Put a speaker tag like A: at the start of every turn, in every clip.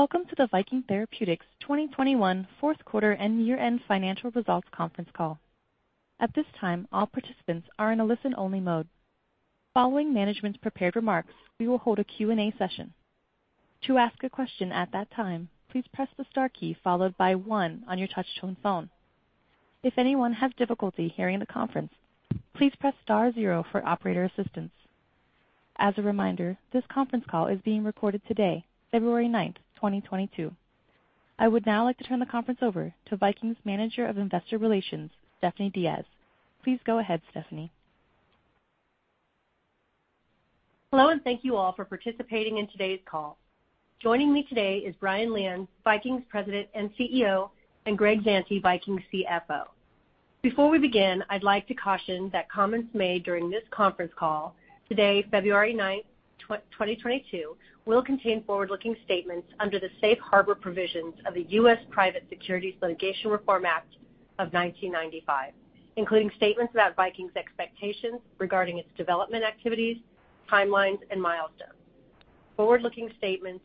A: Welcome to the Viking Therapeutics 2021 Fourth Quarter and Year-End Financial Results Conference Call. At this time, all participants are in a listen-only mode. Following management's prepared remarks, we will hold a Q&A session. To ask a question at that time, please press the star key followed by one on your touchtone phone. If anyone has difficulty hearing the conference, please press star zero for operator assistance. As a reminder, this conference call is being recorded today, February 9th, 2022. I would now like to turn the conference over to Viking's Manager of Investor Relations, Stephanie Diaz. Please go ahead, Stephanie.
B: Hello, and thank you all for participating in today's call. Joining me today is Brian Lian, Viking's President and CEO, and Greg Zante, Viking's CFO. Before we begin, I'd like to caution that comments made during this conference call today, February 9th, 2022, will contain forward-looking statements under the safe harbor provisions of the U.S. Private Securities Litigation Reform Act of 1995, including statements about Viking's expectations regarding its development activities, timelines, and milestones. Forward-looking statements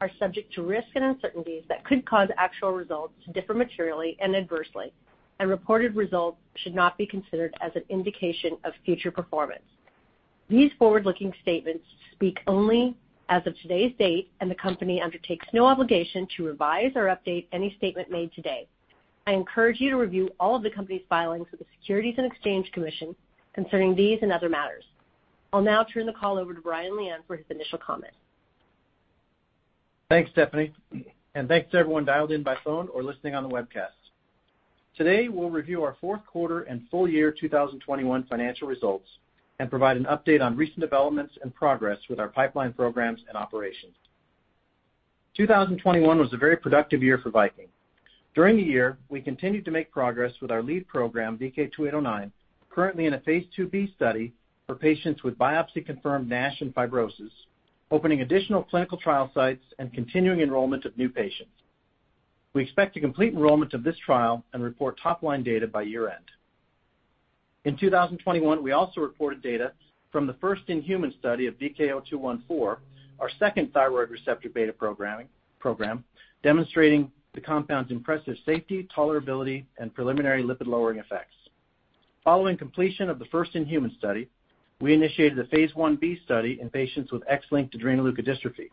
B: are subject to risks and uncertainties that could cause actual results to differ materially and adversely, and reported results should not be considered as an indication of future performance. These forward-looking statements speak only as of today's date, and the company undertakes no obligation to revise or update any statement made today. I encourage you to review all of the company's filings with the Securities and Exchange Commission concerning these and other matters. I'll now turn the call over to Brian Lian for his initial comments.
C: Thanks, Stephanie, and thanks to everyone dialed in by phone or listening on the webcast. Today, we'll review our fourth quarter and full year 2021 financial results and provide an update on recent developments and progress with our pipeline programs and operations. 2021 was a very productive year for Viking. During the year, we continued to make progress with our lead program, VK2809, currently in a phase IIB study for patients with biopsy-confirmed NASH and fibrosis, opening additional clinical trial sites and continuing enrollment of new patients. We expect to complete enrollment of this trial and report top-line data by year-end. In 2021, we also reported data from the first-in-human study of VK0214, our second thyroid receptor beta program, demonstrating the compound's impressive safety, tolerability, and preliminary lipid-lowering effects. Following completion of the first-in-human study, we initiated a phase IB study in patients with X-linked adrenoleukodystrophy,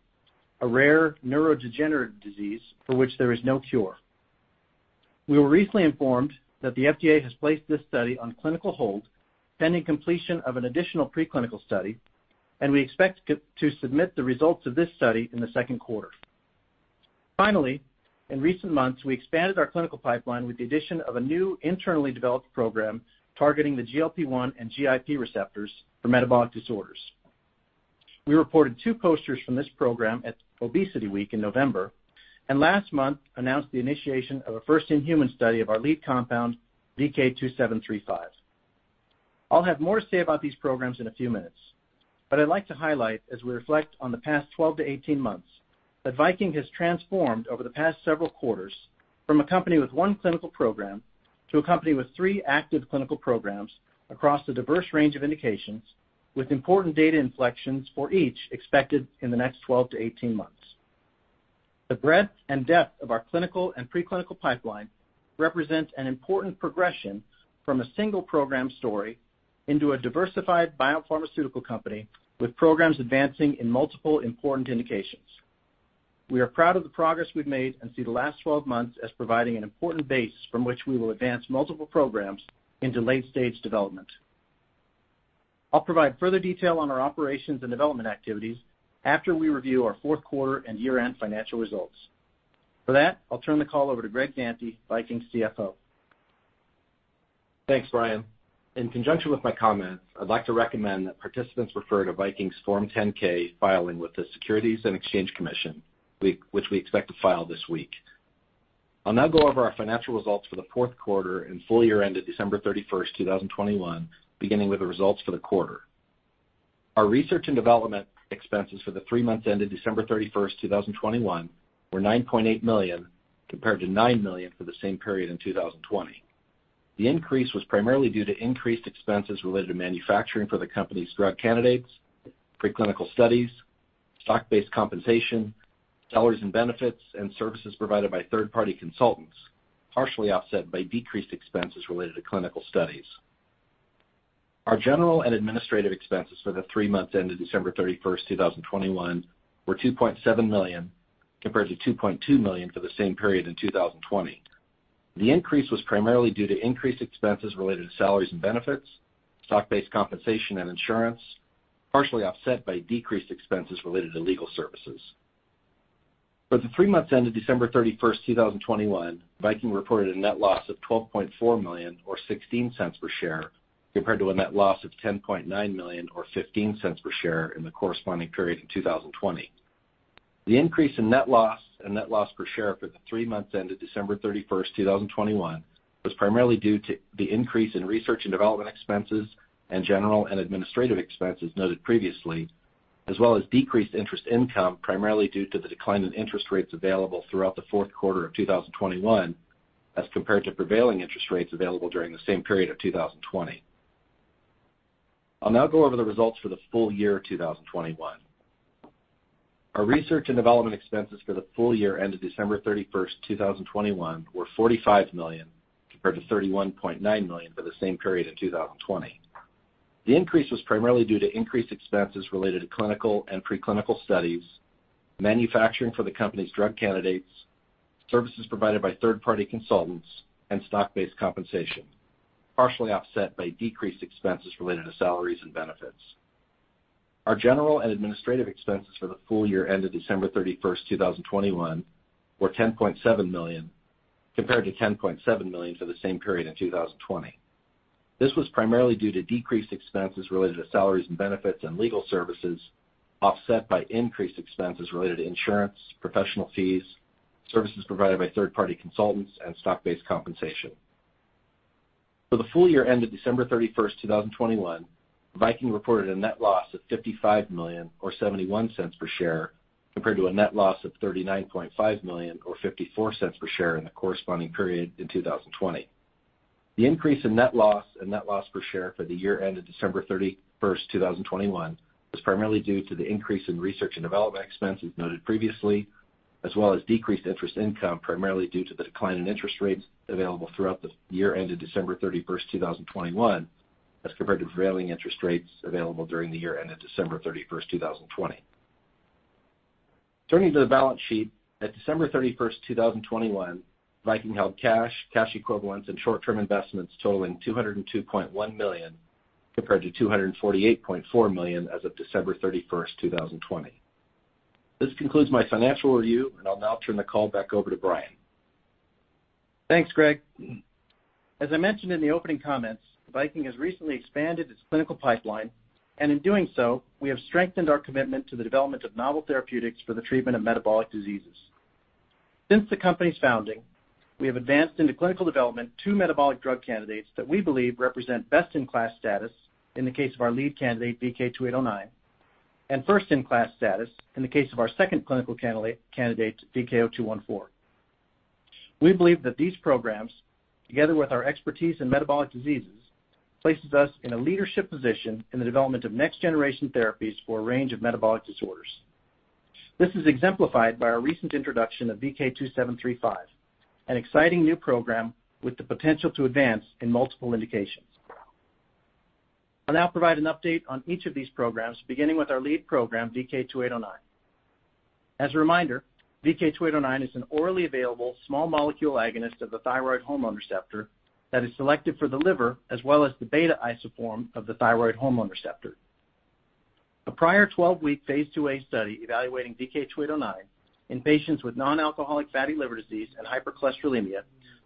C: a rare neurodegenerative disease for which there is no cure. We were recently informed that the FDA has placed this study on clinical hold pending completion of an additional preclinical study, and we expect to submit the results of this study in the second quarter. Finally, in recent months, we expanded our clinical pipeline with the addition of a new internally developed program targeting the GLP-1 and GIP receptors for metabolic disorders. We reported two posters from this program at ObesityWeek in November, and last month announced the initiation of a first-in-human study of our lead compound, VK2735. I'll have more to say about these programs in a few minutes, but I'd like to highlight as we reflect on the past 12-18 months that Viking has transformed over the past several quarters from a company with one clinical program to a company with three active clinical programs across a diverse range of indications, with important data inflections for each expected in the next 12-18 months. The breadth and depth of our clinical and preclinical pipeline represents an important progression from a single program story into a diversified biopharmaceutical company with programs advancing in multiple important indications. We are proud of the progress we've made and see the last 12 months as providing an important base from which we will advance multiple programs into late-stage development. I'll provide further detail on our operations and development activities after we review our fourth quarter and year-end financial results. For that, I'll turn the call over to Greg Zante, Viking's CFO.
D: Thanks, Brian. In conjunction with my comments, I'd like to recommend that participants refer to Viking's Form 10-K filing with the Securities and Exchange Commission, which we expect to file this week. I'll now go over our financial results for the fourth quarter and full year ended December 31st, 2021, beginning with the results for the quarter. Our research and development expenses for the three months ended December 31st, 2021, were $9.8 million, compared to $9 million for the same period in 2020. The increase was primarily due to increased expenses related to manufacturing for the company's drug candidates, preclinical studies, stock-based compensation, salaries and benefits, and services provided by third-party consultants, partially offset by decreased expenses related to clinical studies. Our general and administrative expenses for the three months ended December 31st, 2021, were $2.7 million, compared to $2.2 million for the same period in 2020. The increase was primarily due to increased expenses related to salaries and benefits, stock-based compensation and insurance, partially offset by decreased expenses related to legal services. For the three months ended December 31st, 2021, Viking reported a net loss of $12.4 million or $0.16 per share, compared to a net loss of $10.9 million or $0.15 per share in the corresponding period in 2020. The increase in net loss and net loss per share for the three months ended December 31st, 2021, was primarily due to the increase in research and development expenses and general and administrative expenses noted previously, as well as decreased interest income, primarily due to the decline in interest rates available throughout the fourth quarter of 2021 as compared to prevailing interest rates available during the same period of 2020. I'll now go over the results for the full year 2021. Our research and development expenses for the full year ended December 31st, 2021 were $45 million, compared to $31.9 million for the same period in 2020. The increase was primarily due to increased expenses related to clinical and preclinical studies, manufacturing for the company's drug candidates, services provided by third-party consultants, and stock-based compensation, partially offset by decreased expenses related to salaries and benefits. Our general and administrative expenses for the full year ended December 31st, 2021 were $10.7 million, compared to $10.7 million for the same period in 2020. This was primarily due to decreased expenses related to salaries and benefits and legal services, offset by increased expenses related to insurance, professional fees, services provided by third-party consultants, and stock-based compensation. For the full year ended December 31st, 2021, Viking reported a net loss of $55 million or $0.71 per share, compared to a net loss of $39.5 million or $0.54 per share in the corresponding period in 2020. The increase in net loss and net loss per share for the year ended December 31st, 2021 was primarily due to the increase in research and development expenses noted previously, as well as decreased interest income, primarily due to the decline in interest rates available throughout the year ended December 31st, 2021 as compared to prevailing interest rates available during the year ended December 31st, 2020. Turning to the balance sheet, at December 31st, 2021, Viking held cash equivalents and short-term investments totaling $202.1 million, compared to $248.4 million as of December 31st, 2020. This concludes my financial review, and I'll now turn the call back over to Brian.
C: Thanks, Greg. As I mentioned in the opening comments, Viking has recently expanded its clinical pipeline, and in doing so, we have strengthened our commitment to the development of novel therapeutics for the treatment of metabolic diseases. Since the company's founding, we have advanced into clinical development two metabolic drug candidates that we believe represent best-in-class status in the case of our lead candidate, VK2809, and first-in-class status in the case of our second clinical candidate, VK0214. We believe that these programs, together with our expertise in metabolic diseases, places us in a leadership position in the development of next-generation therapies for a range of metabolic disorders. This is exemplified by our recent introduction of VK2735, an exciting new program with the potential to advance in multiple indications. I'll now provide an update on each of these programs, beginning with our lead program, VK2809. As a reminder, VK2809 is an orally available, small molecule agonist of the thyroid hormone receptor that is selective for the liver as well as the beta isoform of the thyroid hormone receptor. A prior 12-week phase IIA study evaluating VK2809 in patients with non-alcoholic fatty liver disease and hypercholesterolemia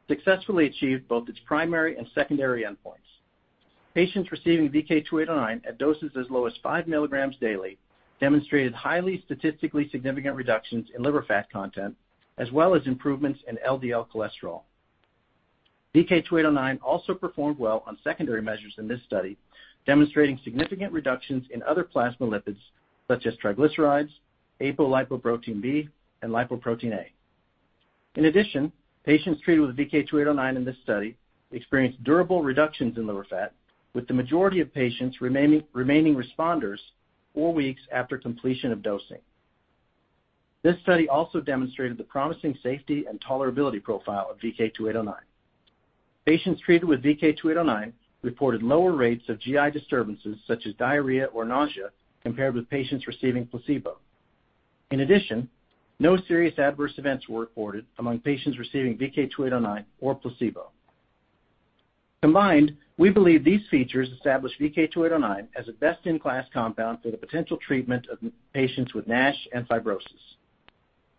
C: successfully achieved both its primary and secondary endpoints. Patients receiving VK2809 at doses as low as 5 milligrams daily demonstrated highly statistically significant reductions in liver fat content, as well as improvements in LDL cholesterol. VK2809 also performed well on secondary measures in this study, demonstrating significant reductions in other plasma lipids such as triglycerides, apolipoprotein B, and lipoprotein(a). In addition, patients treated with VK2809 in this study experienced durable reductions in liver fat, with the majority of patients remaining responders four weeks after completion of dosing. This study also demonstrated the promising safety and tolerability profile of VK2809. Patients treated with VK2809 reported lower rates of GI disturbances such as diarrhea or nausea compared with patients receiving placebo. In addition, no serious adverse events were reported among patients receiving VK2809 or placebo. Combined, we believe these features establish VK2809 as a best-in-class compound for the potential treatment of patients with NASH and fibrosis.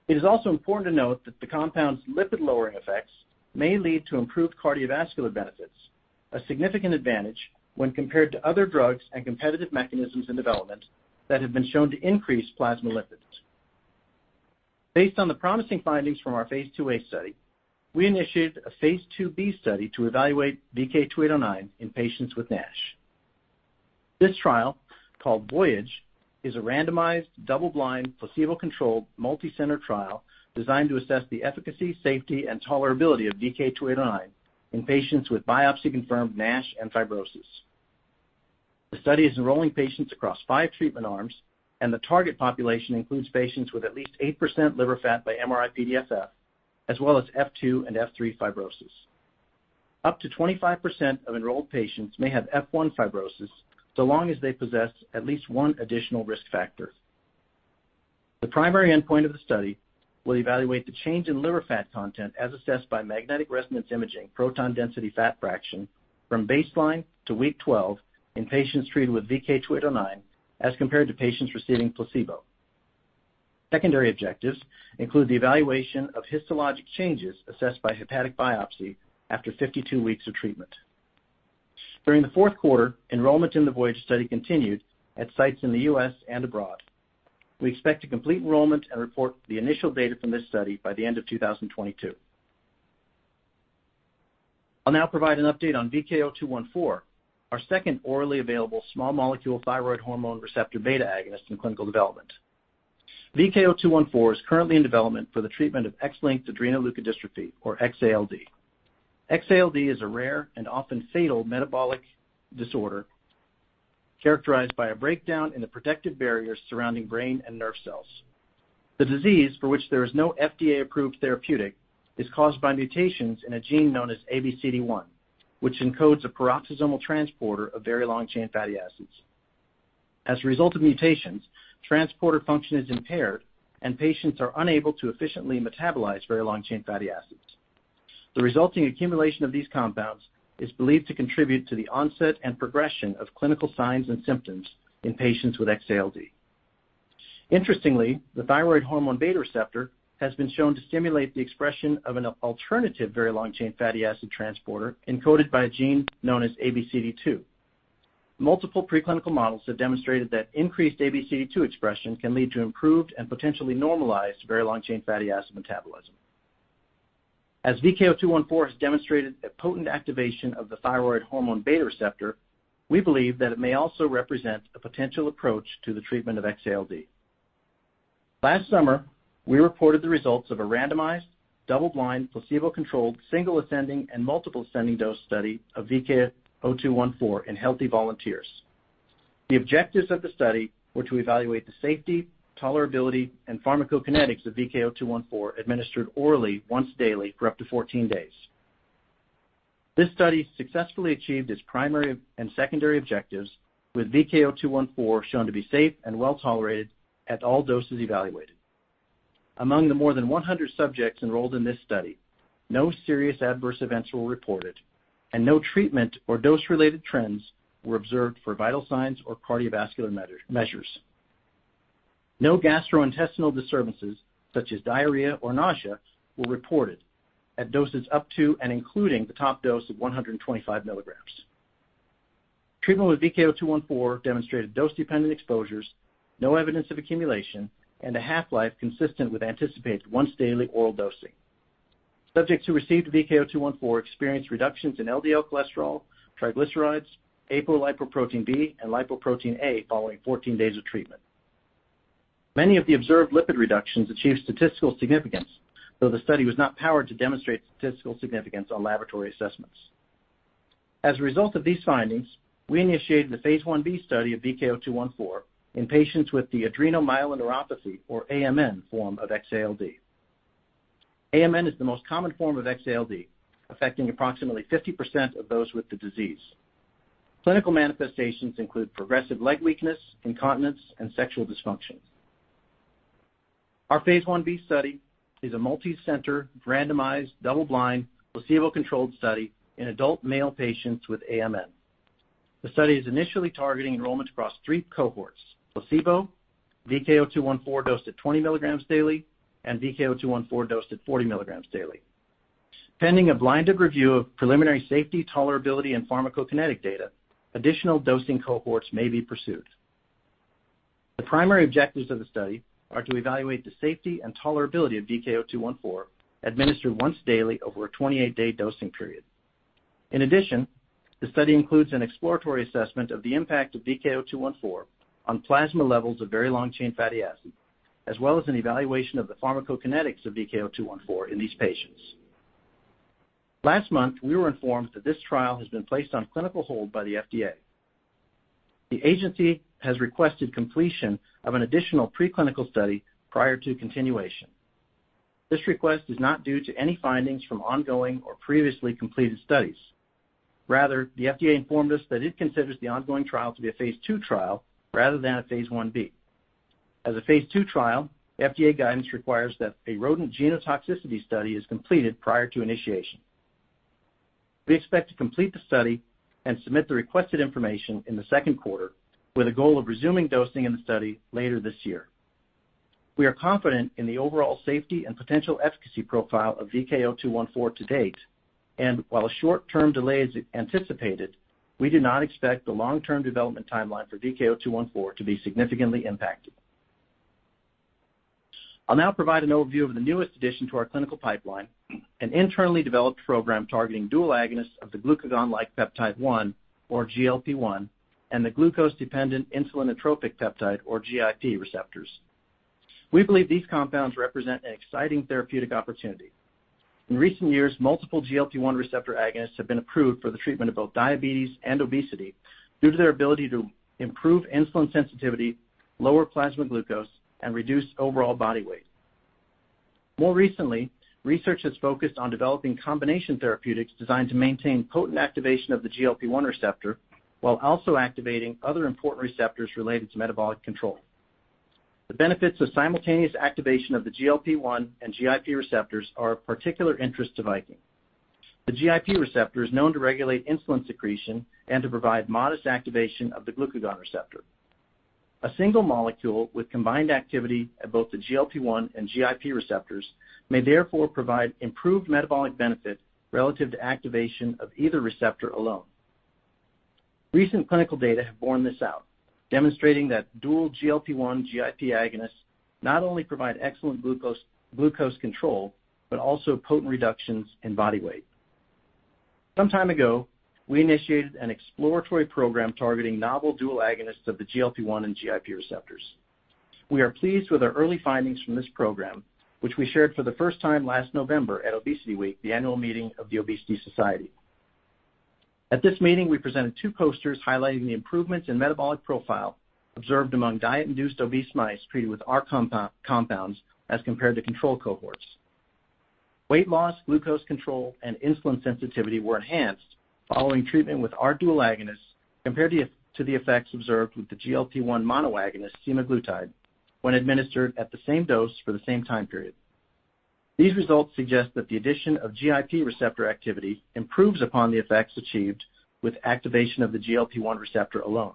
C: It is also important to note that the compound's lipid-lowering effects may lead to improved cardiovascular benefits, a significant advantage when compared to other drugs and competitive mechanisms in development that have been shown to increase plasma lipids. Based on the promising findings from our phase IIA study, we initiated a phase IIB study to evaluate VK2809 in patients with NASH. This trial, called VOYAGE, is a randomized, double-blind, placebo-controlled, multi-center trial designed to assess the efficacy, safety, and tolerability of VK2809 in patients with biopsy-confirmed NASH and fibrosis. The study is enrolling patients across five treatment arms, and the target population includes patients with at least 8% liver fat by MRI-PDFF, as well as F2 and F3 fibrosis. Up to 25% of enrolled patients may have F1 fibrosis, so long as they possess at least one additional risk factor. The primary endpoint of the study will evaluate the change in liver fat content as assessed by magnetic resonance imaging proton density fat fraction from baseline to week 12 in patients treated with VK2809 as compared to patients receiving placebo. Secondary objectives include the evaluation of histologic changes assessed by hepatic biopsy after 52 weeks of treatment. During the fourth quarter, enrollment in the VOYAGE study continued at sites in the U.S. and abroad. We expect to complete enrollment and report the initial data from this study by the end of 2022. I'll now provide an update on VK0214, our second orally available small molecule thyroid hormone receptor beta agonist in clinical development. VK0214 is currently in development for the treatment of X-linked adrenoleukodystrophy, or X-ALD. X-ALD is a rare and often fatal metabolic disorder characterized by a breakdown in the protective barriers surrounding brain and nerve cells. The disease, for which there is no FDA-approved therapeutic, is caused by mutations in a gene known as ABCD1, which encodes a peroxisomal transporter of very long chain fatty acids. As a result of mutations, transporter function is impaired, and patients are unable to efficiently metabolize very long chain fatty acids. The resulting accumulation of these compounds is believed to contribute to the onset and progression of clinical signs and symptoms in patients with X-ALD. Interestingly, the thyroid hormone beta receptor has been shown to stimulate the expression of an alternative very long chain fatty acid transporter encoded by a gene known as ABCD2. Multiple preclinical models have demonstrated that increased ABCD2 expression can lead to improved and potentially normalized very long chain fatty acid metabolism. As VK0214 has demonstrated a potent activation of the thyroid hormone beta receptor, we believe that it may also represent a potential approach to the treatment of X-ALD. Last summer, we reported the results of a randomized, double-blind, placebo-controlled, single ascending, and multiple ascending dose study of VK0214 in healthy volunteers. The objectives of the study were to evaluate the safety, tolerability, and pharmacokinetics of VK0214 administered orally once daily for up to 14 days. This study successfully achieved its primary and secondary objectives, with VK0214 shown to be safe and well-tolerated at all doses evaluated. Among the more than 100 subjects enrolled in this study, no serious adverse events were reported, and no treatment or dose-related trends were observed for vital signs or cardiovascular measures. No gastrointestinal disturbances, such as diarrhea or nausea, were reported at doses up to and including the top dose of 125 milligrams. Treatment with VK0214 demonstrated dose-dependent exposures, no evidence of accumulation, and a half-life consistent with anticipated once-daily oral dosing. Subjects who received VK0214 experienced reductions in LDL cholesterol, triglycerides, apolipoprotein B, and lipoprotein(a) following 14 days of treatment. Many of the observed lipid reductions achieved statistical significance, though the study was not powered to demonstrate statistical significance on laboratory assessments. As a result of these findings, we initiated the phase IB study of VK0214 in patients with the adrenomyeloneuropathy, or AMN, form of X-ALD. AMN is the most common form of X-ALD, affecting approximately 50% of those with the disease. Clinical manifestations include progressive leg weakness, incontinence, and sexual dysfunction. Our phase IB study is a multicenter, randomized, double-blind, placebo-controlled study in adult male patients with AMN. The study is initially targeting enrollment across three cohorts, placebo, VK0214 dosed at 20 mg daily, and VK0214 dosed at 40 mg daily. Pending a blinded review of preliminary safety, tolerability, and pharmacokinetic data, additional dosing cohorts may be pursued. The primary objectives of the study are to evaluate the safety and tolerability of VK0214 administered once daily over a 28-day dosing period. In addition, the study includes an exploratory assessment of the impact of VK0214 on plasma levels of very long-chain fatty acids, as well as an evaluation of the pharmacokinetics of VK0214 in these patients. Last month, we were informed that this trial has been placed on clinical hold by the FDA. The agency has requested completion of an additional preclinical study prior to continuation. This request is not due to any findings from ongoing or previously completed studies. Rather, the FDA informed us that it considers the ongoing trial to be a phase II trial rather than a phase IB. As a phase II trial, FDA guidance requires that a rodent genotoxicity study is completed prior to initiation. We expect to complete the study and submit the requested information in the second quarter, with a goal of resuming dosing in the study later this year. We are confident in the overall safety and potential efficacy profile of VK0214 to date, and while a short-term delay is anticipated, we do not expect the long-term development timeline for VK0214 to be significantly impacted. I'll now provide an overview of the newest addition to our clinical pipeline, an internally developed program targeting dual agonists of the glucagon-like peptide-1, or GLP-1, and the glucose-dependent insulinotropic peptide, or GIP, receptors. We believe these compounds represent an exciting therapeutic opportunity. In recent years, multiple GLP-1 receptor agonists have been approved for the treatment of both diabetes and obesity due to their ability to improve insulin sensitivity, lower plasma glucose, and reduce overall body weight. More recently, research has focused on developing combination therapeutics designed to maintain potent activation of the GLP-1 receptor while also activating other important receptors related to metabolic control. The benefits of simultaneous activation of the GLP-1 and GIP receptors are of particular interest to Viking. The GIP receptor is known to regulate insulin secretion and to provide modest activation of the glucagon receptor. A single molecule with combined activity at both the GLP-1 and GIP receptors may therefore provide improved metabolic benefit relative to activation of either receptor alone. Recent clinical data have borne this out, demonstrating that dual GLP-1/GIP agonists not only provide excellent glucose control, but also potent reductions in body weight. Some time ago, we initiated an exploratory program targeting novel dual agonists of the GLP-1 and GIP receptors. We are pleased with our early findings from this program, which we shared for the first time last November at ObesityWeek, the annual meeting of The Obesity Society. At this meeting, we presented two posters highlighting the improvements in metabolic profile observed among diet-induced obese mice treated with our compounds as compared to control cohorts. Weight loss, glucose control, and insulin sensitivity were enhanced following treatment with our dual agonists compared to the effects observed with the GLP-1 monoagonist semaglutide when administered at the same dose for the same time period. These results suggest that the addition of GIP receptor activity improves upon the effects achieved with activation of the GLP-1 receptor alone.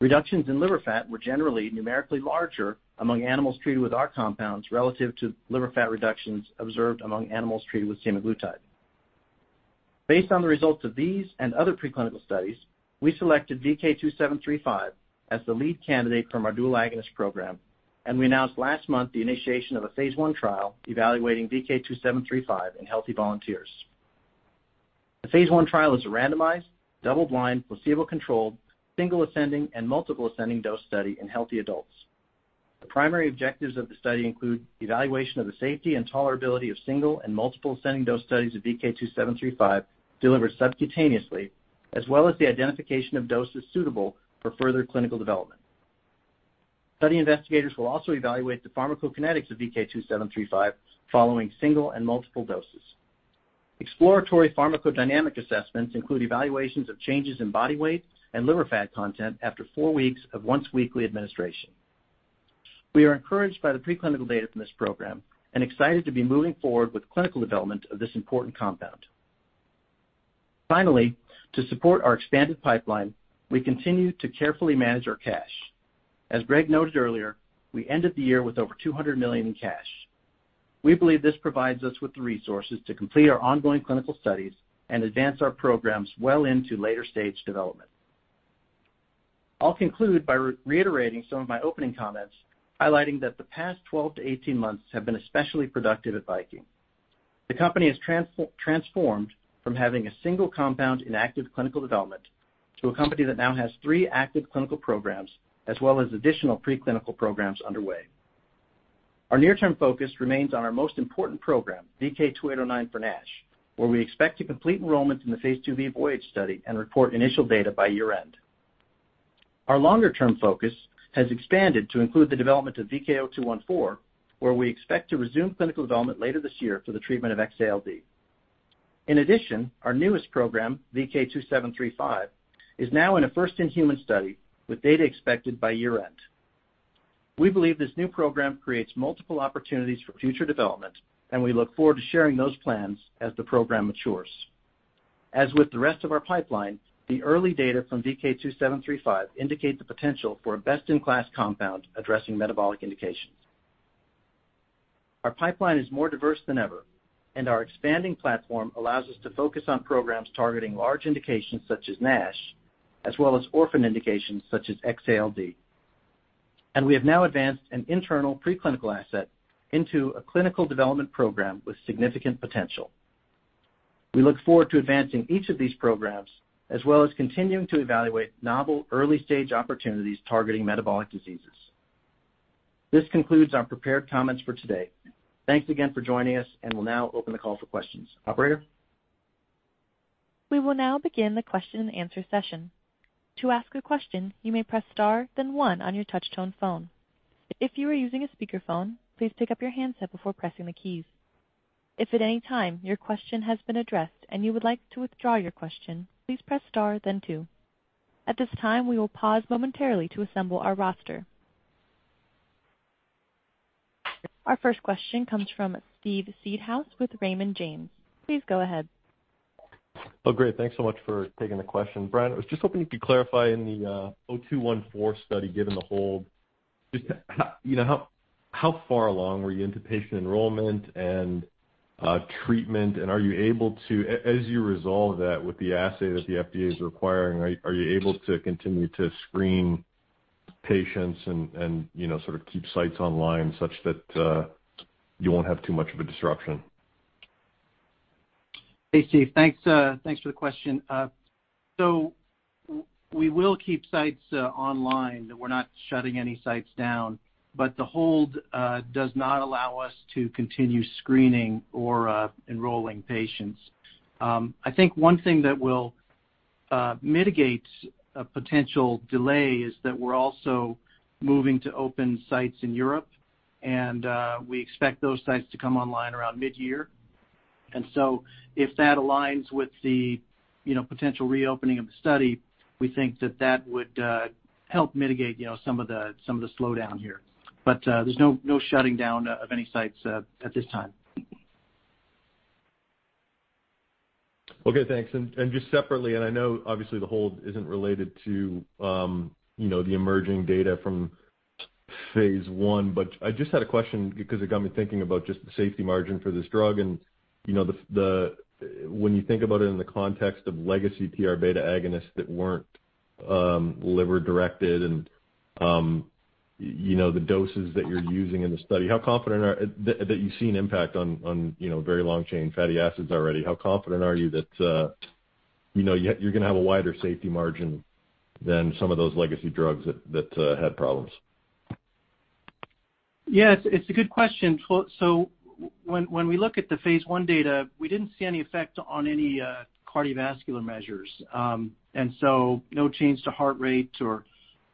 C: Reductions in liver fat were generally numerically larger among animals treated with our compounds relative to liver fat reductions observed among animals treated with semaglutide. Based on the results of these and other preclinical studies, we selected VK2735 as the lead candidate from our dual agonist program, and we announced last month the initiation of a phase I trial evaluating VK2735 in healthy volunteers. The phase I trial is a randomized, double-blind, placebo-controlled, single ascending and multiple ascending dose study in healthy adults. The primary objectives of the study include evaluation of the safety and tolerability of single and multiple ascending dose studies of VK2735 delivered subcutaneously, as well as the identification of doses suitable for further clinical development. Study investigators will also evaluate the pharmacokinetics of VK2735 following single and multiple doses. Exploratory pharmacodynamic assessments include evaluations of changes in body weight and liver fat content after four weeks of once-weekly administration. We are encouraged by the preclinical data from this program and excited to be moving forward with clinical development of this important compound. Finally, to support our expanded pipeline, we continue to carefully manage our cash. As Greg noted earlier, we ended the year with over $200 million in cash. We believe this provides us with the resources to complete our ongoing clinical studies and advance our programs well into later stage development. I'll conclude by reiterating some of my opening comments, highlighting that the past 12-18 months have been especially productive at Viking. The company has transformed from having a single compound in active clinical development to a company that now has three active clinical programs as well as additional preclinical programs underway. Our near-term focus remains on our most important program, VK2809 for NASH, where we expect to complete enrollment in the phase IIB VOYAGE study and report initial data by year-end. Our longer-term focus has expanded to include the development of VK0214, where we expect to resume clinical development later this year for the treatment of X-ALD. In addition, our newest program, VK2735, is now in a first-in-human study with data expected by year-end. We believe this new program creates multiple opportunities for future development, and we look forward to sharing those plans as the program matures. As with the rest of our pipeline, the early data from VK2735 indicate the potential for a best-in-class compound addressing metabolic indications. Our pipeline is more diverse than ever, and our expanding platform allows us to focus on programs targeting large indications such as NASH, as well as orphan indications such as X-ALD. We have now advanced an internal preclinical asset into a clinical development program with significant potential. We look forward to advancing each of these programs, as well as continuing to evaluate novel early-stage opportunities targeting metabolic diseases. This concludes our prepared comments for today. Thanks again for joining us, and we'll now open the call for questions. Operator?
A: We will now begin the question-and-answer session. To ask a question, you may press star then one on your touch-tone phone. If you are using a speakerphone, please pick up your handset before pressing the keys. If at any time your question has been addressed and you would like to withdraw your question, please press star then two. At this time, we will pause momentarily to assemble our roster. Our first question comes from Steven Seedhouse with Raymond James. Please go ahead.
E: Oh, great. Thanks so much for taking the question. Brian, I was just hoping you could clarify in the VK0214 study, given the hold, just how, you know, how far along were you into patient enrollment and treatment? As you resolve that with the assay that the FDA is requiring, are you able to continue to screen patients and, you know, sort of keep sites online such that you won't have too much of a disruption?
C: Hey, Steve. Thanks for the question. So we will keep sites online. We're not shutting any sites down, but the hold does not allow us to continue screening or enrolling patients. I think one thing that will mitigate a potential delay is that we're also moving to open sites in Europe, and we expect those sites to come online around mid-year. If that aligns with the you know potential reopening of the study, we think that that would help mitigate you know some of the slowdown here. There's no shutting down of any sites at this time.
E: Okay, thanks. Just separately, I know obviously the hold isn't related to, you know, the emerging data from phase I, but I just had a question because it got me thinking about just the safety margin for this drug and, you know, when you think about it in the context of legacy TR beta agonists that weren't liver-directed and you know, the doses that you're using in the study. How confident are you that you've seen impact on, you know, very long-chain fatty acids already. How confident are you that, you know, you're gonna have a wider safety margin than some of those legacy drugs that had problems?
C: Yes, it's a good question. When we look at the phase I data, we didn't see any effect on any cardiovascular measures. No change to heart rate or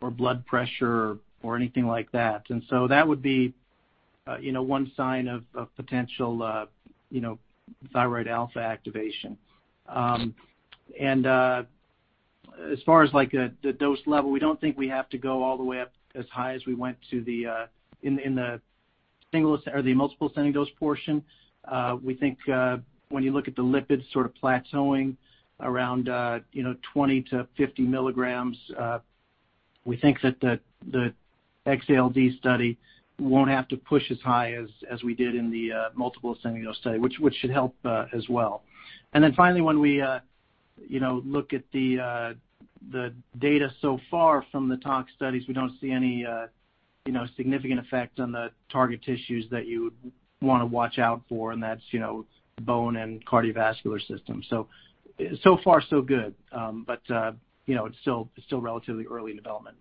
C: blood pressure or anything like that. That would be one sign of potential thyroid alpha activation. As far as, like, the dose level, we don't think we have to go all the way up as high as we went to in the single or the multiple ascending dose portion. We think, when you look at the lipids sort of plateauing around, you know, 20-50 milligrams, we think that the X-ALD study won't have to push as high as we did in the multiple ascending dose study, which should help as well. Finally, when we, you know, look at the data so far from the tox studies, we don't see any, you know, significant effect on the target tissues that you would wanna watch out for. That's, you know, bone and cardiovascular system. So far so good. You know, it's still relatively early in development.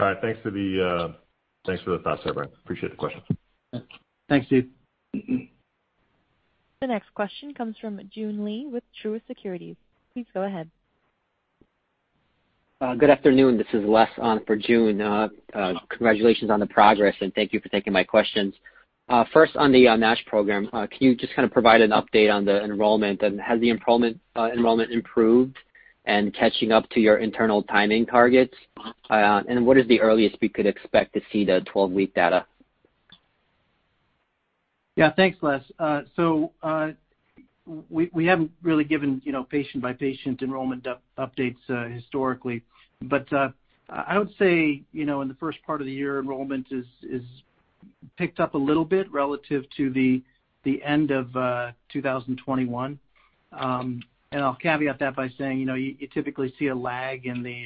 E: All right. Thanks for the thoughts, Brian. Appreciate the question.
C: Thanks, Steve.
A: The next question comes from Joon Lee with Truist Securities. Please go ahead.
F: Good afternoon. This is Les on for Joon. Congratulations on the progress, and thank you for taking my questions. First on the NASH program, can you just kinda provide an update on the enrollment? Has the enrollment improved and catching up to your internal timing targets? What is the earliest we could expect to see the 12-week data?
C: Yeah. Thanks, Les. We haven't really given, you know, patient-by-patient enrollment updates, historically. I would say, you know, in the first part of the year, enrollment has picked up a little bit relative to the end of 2021. I'll caveat that by saying, you know, you typically see a lag in the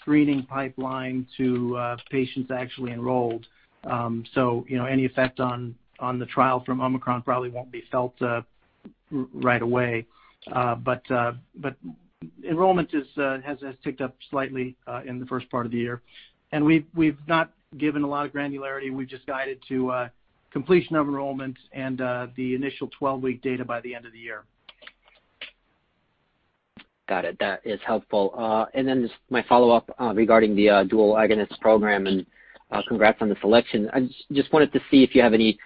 C: screening pipeline to patients actually enrolled. Any effect on the trial from Omicron probably won't be felt right away. Enrollment has ticked up slightly in the first part of the year. We've not given a lot of granularity. We've just guided to completion of enrollment and the initial 12-week data by the end of the year.
F: Got it. That is helpful. Just my follow-up regarding the dual agonist program, and congrats on the selection. I just wanted to see if you have any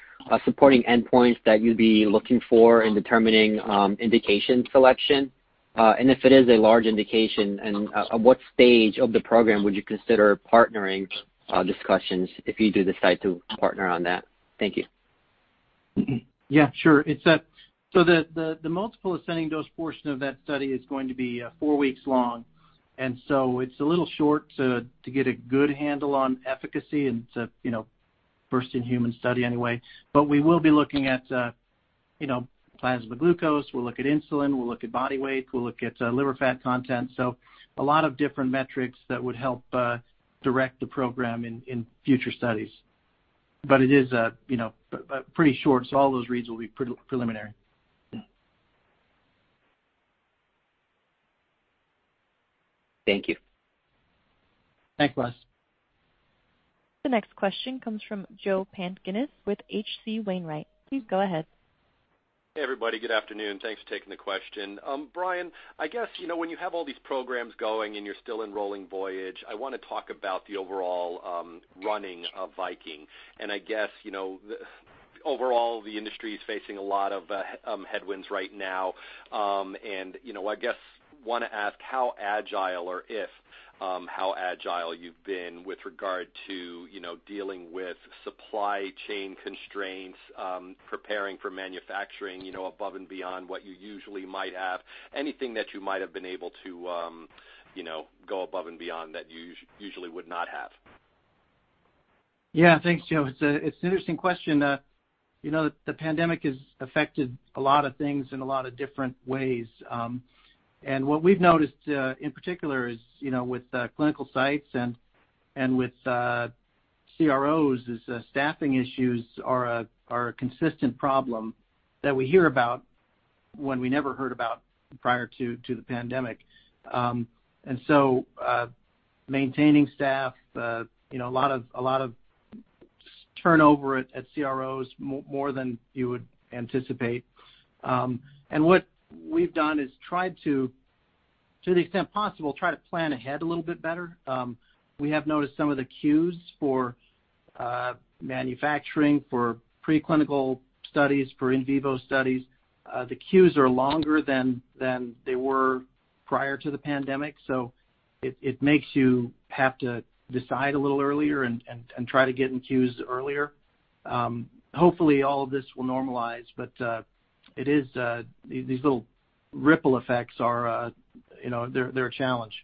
F: supporting endpoints that you'd be looking for in determining indication selection. If it is a large indication, at what stage of the program would you consider partnering discussions if you do decide to partner on that? Thank you.
C: Yeah, sure. It's the multiple-ascending-dose portion of that study is going to be four weeks long. It's a little short to get a good handle on efficacy, and it's a you know first-in-human study anyway. We will be looking at you know plasma glucose. We'll look at insulin. We'll look at body weight. We'll look at liver fat content. A lot of different metrics that would help direct the program in future studies. It is you know pretty short, so all those reads will be preliminary.
F: Thank you.
C: Thanks, Les.
A: The next question comes from Joe Pantginis with H.C. Wainwright. Please go ahead.
G: Hey, everybody. Good afternoon. Thanks for taking the question. Brian, I guess, you know, when you have all these programs going and you're still enrolling VOYAGE, I wanna talk about the overall running of Viking. I guess, you know, overall, the industry is facing a lot of headwinds right now. You know, I guess I wanna ask how agile you've been with regard to, you know, dealing with supply chain constraints, preparing for manufacturing, you know, above and beyond what you usually might have. Anything that you might have been able to, you know, go above and beyond that you usually would not have.
C: Yeah. Thanks, Joe. It's an interesting question. You know, the pandemic has affected a lot of things in a lot of different ways. What we've noticed in particular is, you know, with clinical sites and with CROs, staffing issues are a consistent problem that we hear about when we never heard about prior to the pandemic. Maintaining staff, you know, a lot of turnover at CROs more than you would anticipate. What we've done is tried to the extent possible try to plan ahead a little bit better. We have noticed some of the queues for manufacturing, for preclinical studies, for in vivo studies. The queues are longer than they were prior to the pandemic. It makes you have to decide a little earlier and try to get in queues earlier. Hopefully, all of this will normalize, but it is these little ripple effects, you know, they're a challenge.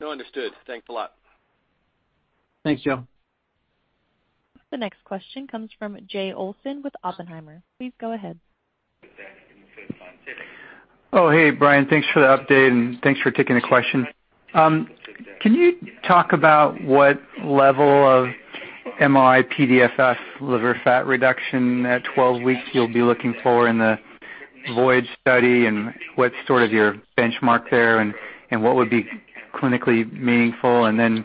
G: No, understood. Thanks a lot.
C: Thanks, Joe.
A: The next question comes from Jay Olson with Oppenheimer. Please go ahead.
H: Oh, hey, Brian. Thanks for the update, and thanks for taking the question. Can you talk about what level of MRI-PDFF liver fat reduction at 12 weeks you'll be looking for in the VOYAGE study, and what's sort of your benchmark there and what would be clinically meaningful? Then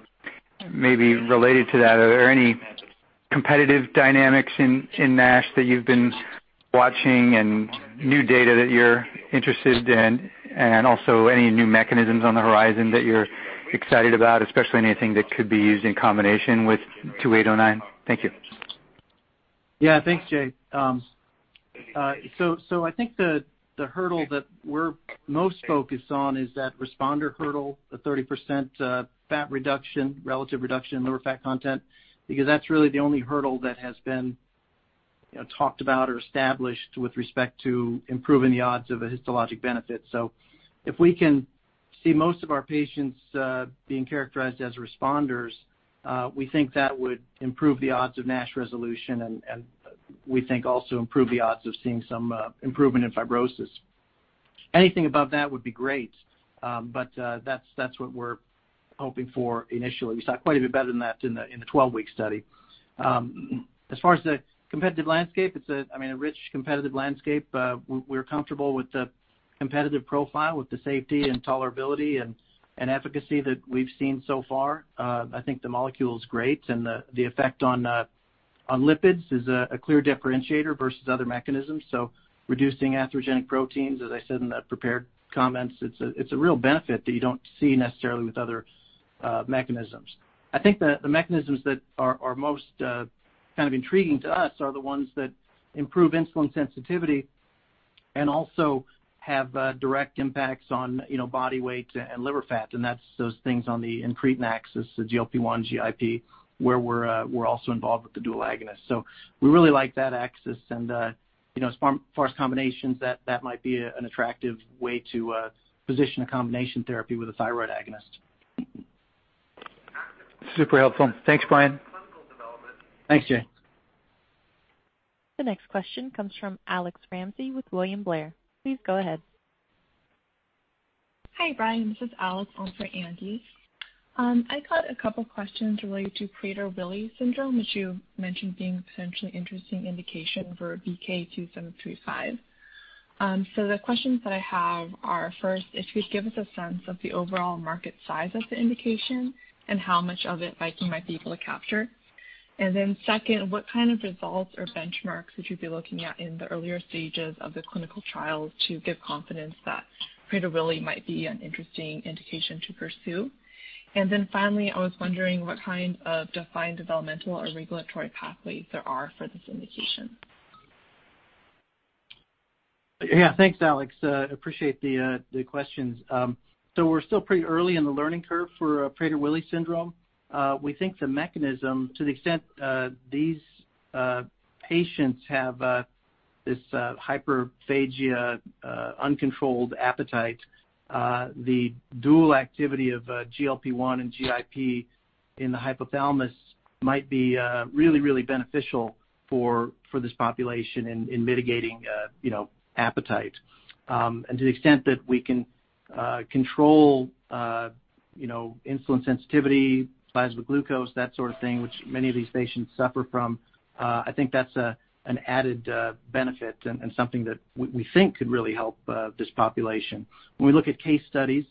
H: maybe related to that, are there any competitive dynamics in NASH that you've been watching and new data that you're interested in? Also any new mechanisms on the horizon that you're excited about, especially anything that could be used in combination with 2809? Thank you.
C: Yeah. Thanks, Jay. I think the hurdle that we're most focused on is that responder hurdle, the 30% fat reduction, relative reduction in liver fat content, because that's really the only hurdle that has been, you know, talked about or established with respect to improving the odds of a histologic benefit. If we can see most of our patients being characterized as responders, we think that would improve the odds of NASH resolution and we think also improve the odds of seeing some improvement in fibrosis. Anything above that would be great, but that's what we're hoping for initially. We saw quite a bit better than that in the 12-week study. As far as the competitive landscape, it's, I mean, a rich competitive landscape. We're comfortable with the competitive profile, with the safety and tolerability and efficacy that we've seen so far. I think the molecule is great, and the effect on lipids is a clear differentiator versus other mechanisms. Reducing atherogenic proteins, as I said in the prepared comments, it's a real benefit that you don't see necessarily with other mechanisms. I think the mechanisms that are most kind of intriguing to us are the ones that improve insulin sensitivity and also have direct impacts on, you know, body weight and liver fat. That's those things on the incretin axis, the GLP-1 GIP, where we're also involved with the dual agonist. We really like that axis and, you know, as far as combinations, that might be an attractive way to position a combination therapy with a thyroid agonist.
H: Super helpful. Thanks, Brian.
C: Thanks, Jay.
A: The next question comes from Andy Tsai with William Blair. Please go ahead.
I: Hi, Brian. This is Alex on for Andy. I got a couple questions related to Prader-Willi syndrome, which you mentioned being a potentially interesting indication for VK2735. The questions that I have are, first, if you'd give us a sense of the overall market size of the indication and how much of it Viking might be able to capture. Second, what kind of results or benchmarks would you be looking at in the earlier stages of the clinical trial to give confidence that Prader-Willi might be an interesting indication to pursue? Finally, I was wondering what kind of defined developmental or regulatory pathways there are for this indication.
C: Yeah. Thanks, Alex. Appreciate the questions. We're still pretty early in the learning curve for Prader-Willi syndrome. We think the mechanism, to the extent these patients have this hyperphagia, uncontrolled appetite, the dual activity of GLP-1 and GIP in the hypothalamus might be really beneficial for this population in mitigating you know appetite. To the extent that we can control you know insulin sensitivity, plasma glucose, that sort of thing, which many of these patients suffer from, I think that's an added benefit and something that we think could really help this population. When we look at case studies,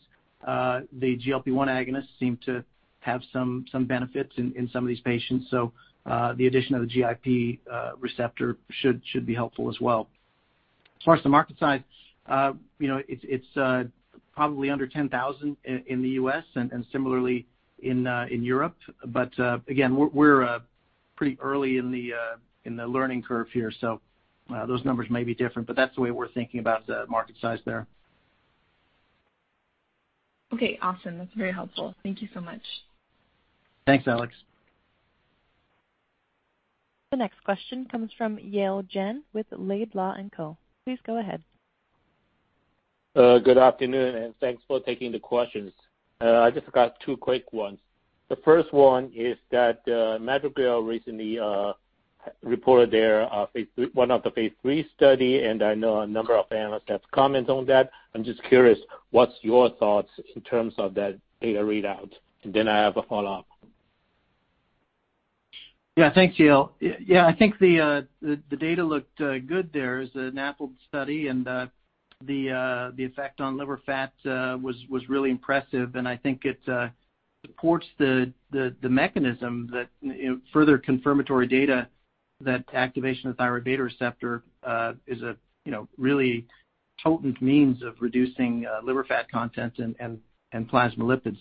C: the GLP-1 agonists seem to have some benefits in some of these patients. The addition of the GIP receptor should be helpful as well. As far as the market size, you know, it's probably under 10,000 in the U.S. and similarly in Europe. Again, we're pretty early in the learning curve here. Those numbers may be different. That's the way we're thinking about the market size there.
I: Okay. Awesome. That's very helpful. Thank you so much.
C: Thanks, Alex.
A: The next question comes from Yale Jen with Laidlaw & Co. Please go ahead.
J: Good afternoon, and thanks for taking the questions. I just got two quick ones. The first one is that, Madrigal recently reported their, one of the phase III study, and I know a number of analysts have comments on that. I'm just curious, what's your thoughts in terms of that data readout? I have a follow-up.
C: Yeah. Thanks, Yale. Yeah, I think the data looked good there. It's a VOYAGE study and the effect on liver fat was really impressive, and I think it supports the mechanism that, you know, further confirmatory data that activation of thyroid beta receptor is a, you know, really potent means of reducing liver fat content and plasma lipids.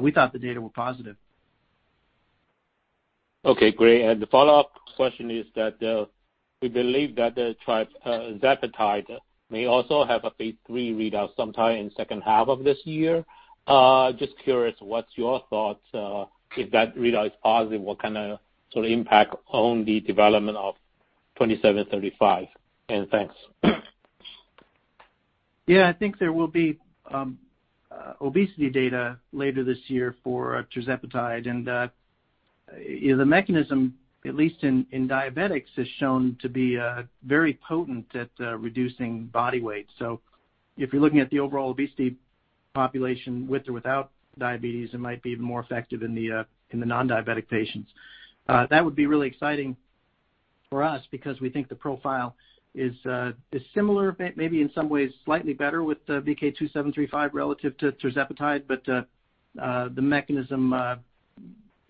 C: We thought the data were positive.
J: Okay, great. The follow-up question is that we believe that tirzepatide may also have a phase III readout sometime in second half of this year. Just curious, what's your thoughts if that readout is positive, what kinda sort of impact on the development of VK2735? And thanks.
C: Yeah, I think there will be obesity data later this year for tirzepatide. You know, the mechanism, at least in diabetics, is shown to be very potent at reducing body weight. If you're looking at the overall obesity population with or without diabetes, it might be more effective in the nondiabetic patients. That would be really exciting for us because we think the profile is similar, maybe in some ways slightly better with VK2735 relative to tirzepatide. The mechanism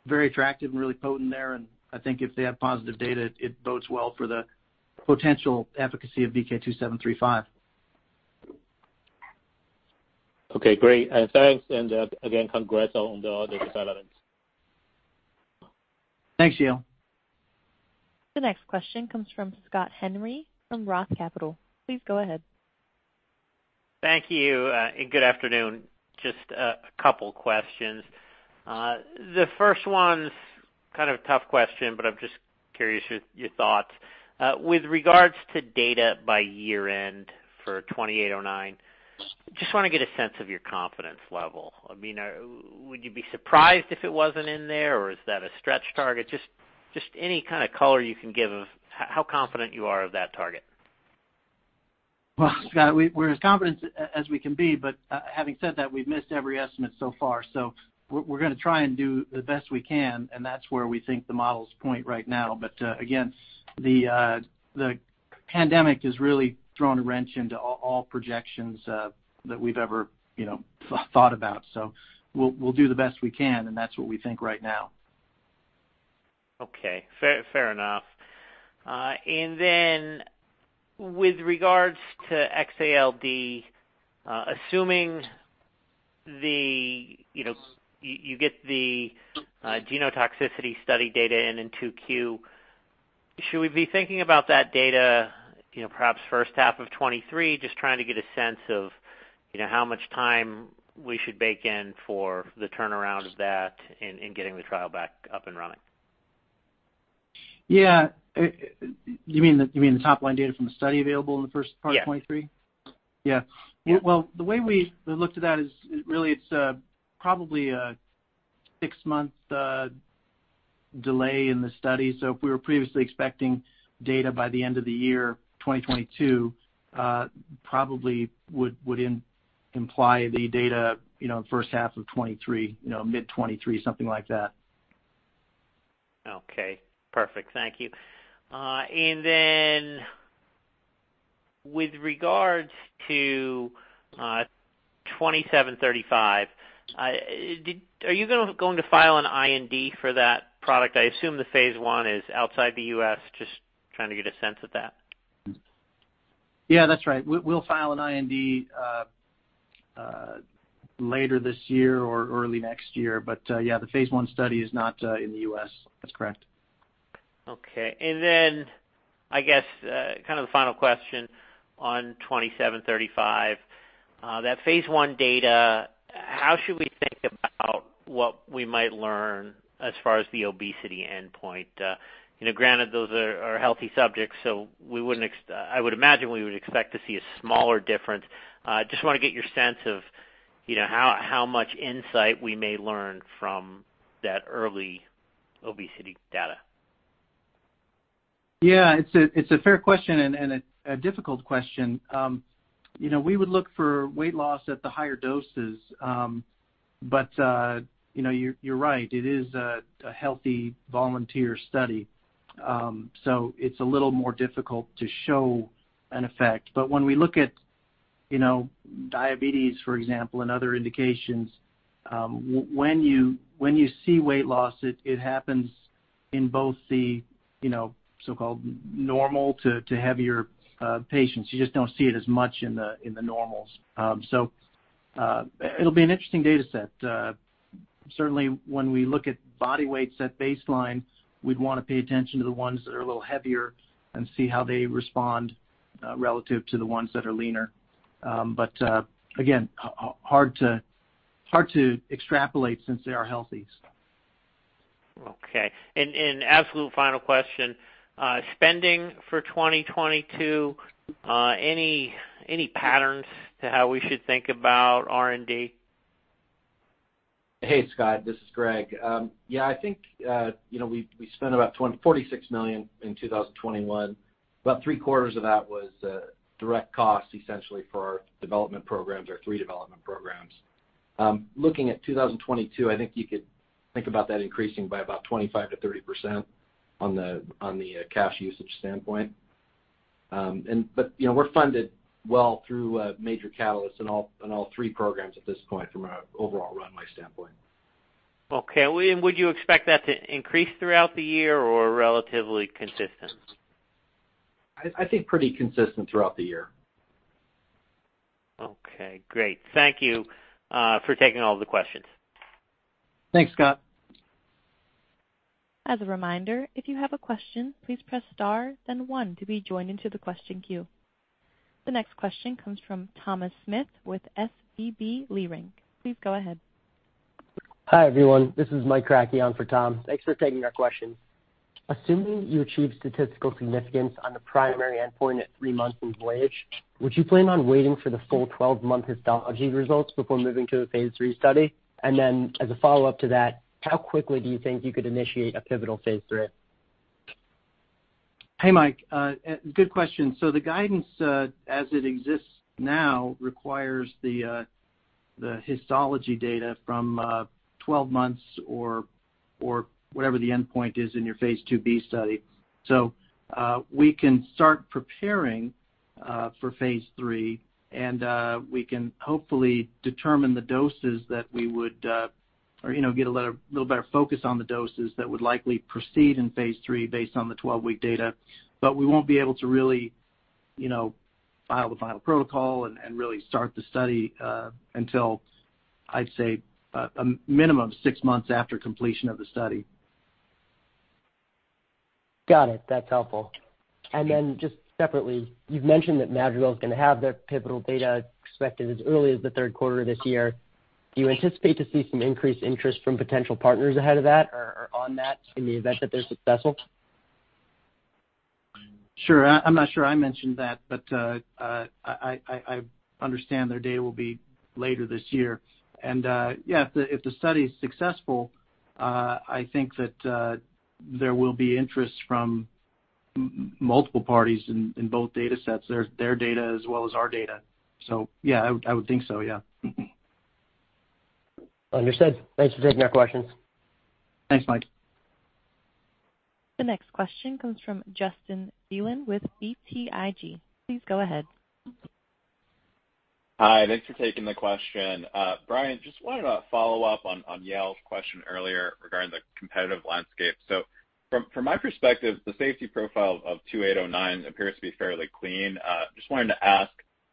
C: very attractive and really potent there. I think if they have positive data, it bodes well for the potential efficacy of VK2735.
J: Okay, great. Thanks, and again, congrats on the developments.
C: Thanks, Yale.
A: The next question comes from Scott Henry from Roth Capital. Please go ahead.
K: Thank you, and good afternoon. Just a couple questions. The first one's kind of a tough question, but I'm just curious your thoughts. With regards to data by year-end for VK2809, just wanna get a sense of your confidence level. I mean, would you be surprised if it wasn't in there, or is that a stretch target? Just any kind of color you can give of how confident you are of that target.
C: Well, Scott, we're as confident as we can be, but having said that, we've missed every estimate so far. We're gonna try and do the best we can, and that's where we think the models point right now. Again, the pandemic has really thrown a wrench into all projections that we've ever, you know, thought about. We'll do the best we can, and that's what we think right now.
K: Okay. Fair enough. With regards to X-ALD, assuming the you know you get the genotoxicity study data in 2Q, should we be thinking about that data, you know, perhaps first half of 2023? Just trying to get a sense of, you know, how much time we should bake in for the turnaround of that in getting the trial back up and running.
C: Yeah. You mean the top-line data from the study available in the first part of 2023?
K: Yeah.
C: Well, the way we looked at that is really, it's probably a six-month delay in the study. If we were previously expecting data by the end of the year 2022, probably would imply the data, you know, in the first half of 2023, you know, mid-2023, something like that.
K: Okay. Perfect. Thank you. Then with regards to VK2735, are you going to file an IND for that product? I assume the phase I is outside the U.S. Just trying to get a sense of that.
C: Yeah, that's right. We'll file an IND later this year or early next year. Yeah, the phase I study is not in the U.S. That's correct.
K: Okay. I guess kind of the final question on VK2735. That phase I data, how should we think about what we might learn as far as the obesity endpoint? You know, granted, those are healthy subjects, so we wouldn't. I would imagine we would expect to see a smaller difference. Just wanna get your sense of, you know, how much insight we may learn from that early obesity data.
C: Yeah. It's a fair question and a difficult question. You know, we would look for weight loss at the higher doses. You know, you're right. It is a healthy volunteer study. It's a little more difficult to show an effect. When we look at you know, diabetes, for example, and other indications, when you see weight loss, it happens in both the you know, so-called normal to heavier patients. You just don't see it as much in the normals. It'll be an interesting data set. Certainly when we look at body weights at baseline, we'd wanna pay attention to the ones that are a little heavier and see how they respond relative to the ones that are leaner. Again, hard to extrapolate since they are healthy.
K: Okay. Absolute final question. Spending for 2022, any patterns to how we should think about R&D?
D: Hey, Scott, this is Greg. Yeah, I think you know, we spent about $46 million in 2021. About three quarters of that was direct costs essentially for our development programs, our three development programs. Looking at 2022, I think you could think about that increasing by about 25%-30% on the cash usage standpoint. But you know, we're funded well through major catalysts in all three programs at this point from a overall runway standpoint.
K: Okay. Well, would you expect that to increase throughout the year or relatively consistent?
D: I think pretty consistent throughout the year.
K: Okay, great. Thank you for taking all the questions.
C: Thanks, Scott.
A: As a reminder, if you have a question, please press star then one to be joined into the question queue. The next question comes from Thomas Smith with SVB Leerink. Please go ahead.
L: Hi, everyone. This is Mike Kratochvil for Tom. Thanks for taking our question. Assuming you achieve statistical significance on the primary endpoint at three months in VOYAGE, would you plan on waiting for the full 12-month histology results before moving to a phase III study? As a follow-up to that, how quickly do you think you could initiate a pivotal phase III?
C: Hey, Mike, good question. The guidance as it exists now requires the histology data from 12 months or whatever the endpoint is in your phase IIB study. We can start preparing for phase III, and we can hopefully determine the doses that we would, you know, get a little better focus on the doses that would likely proceed in phase III based on the 12-week data. We won't be able to really, you know, file the final protocol and really start the study until I'd say a minimum of six months after completion of the study.
L: Got it. That's helpful. Just separately, you've mentioned that Madrigal is gonna have their pivotal data expected as early as the third quarter this year. Do you anticipate to see some increased interest from potential partners ahead of that or on that in the event that they're successful?
C: Sure. I'm not sure I mentioned that, but I understand their data will be later this year. Yeah, if the study is successful, I think that there will be interest from multiple parties in both datasets, their data as well as our data. Yeah, I would think so.
L: Understood. Thanks for taking our questions.
C: Thanks, Mike.
A: The next question comes from Justin Zelin with BTIG. Please go ahead.
M: Hi. Thanks for taking the question. Brian, just wanted to follow up on Yale's question earlier regarding the competitive landscape. From my perspective, the safety profile of 2809 appears to be fairly clean. Just wanted to ask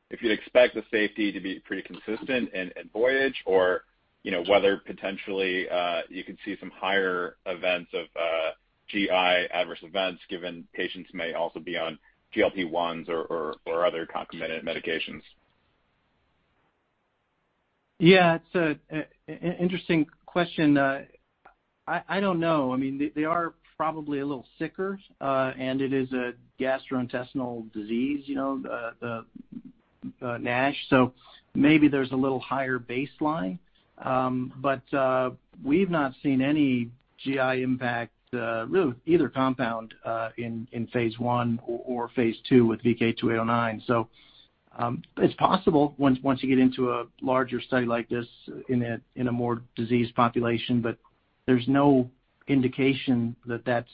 M: if you'd expect the safety to be pretty consistent in VOYAGE or, you know, whether potentially you could see some higher events of GI adverse events given patients may also be on GLP-1s or other concomitant medications.
C: Yeah, it's an interesting question. I don't know. I mean, they are probably a little sicker, and it is a gastrointestinal disease, you know, NASH, so maybe there's a little higher baseline. We've not seen any GI impact really with either compound in phase I or phase II with VK2809. It's possible once you get into a larger study like this in a more diseased population, but there's no indication that that's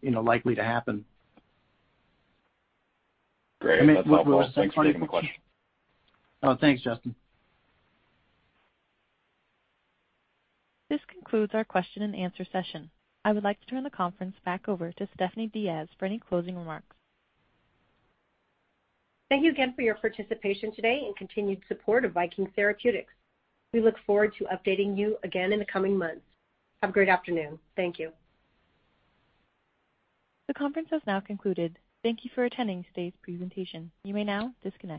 C: you know, likely to happen.
M: Great. That's helpful.
C: I mean, what?
M: Thanks, Brian for taking my question.
C: Oh, thanks, Justin.
A: This concludes our question-and-answer session. I would like to turn the conference back over to Stephanie Diaz for any closing remarks.
B: Thank you again for your participation today and continued support of Viking Therapeutics. We look forward to updating you again in the coming months. Have a great afternoon. Thank you.
A: The conference has now concluded. Thank you for attending today's presentation. You may now disconnect.